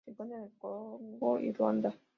Se encuentra en el Congo y Ruanda.